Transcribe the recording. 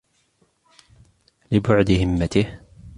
لِبُعْدِ هِمَّتِهِ